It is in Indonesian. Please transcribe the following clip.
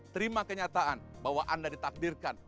terima kenyataan bahwa anda ditakdirkan